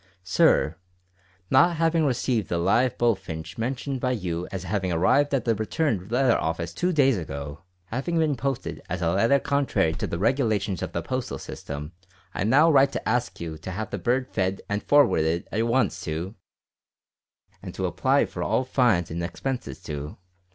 "Sir, Not having received the live bullfinch mentioned by you as having arrived at the Returned Letter Office two days ago, having been posted as a letter contrary to the regulations of the Postal system, I now write to ask you to have the bird fed and forwarded at once to , and to apply for all fines and expenses to